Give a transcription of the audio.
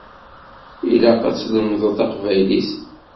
Ilaq ad tlemdeḍ taqbaylit.